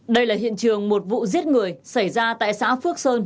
đây là hiện trường một vụ giết người xảy ra tại xã phước sơn